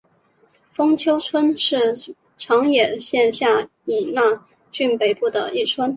丰丘村是长野县下伊那郡北部的一村。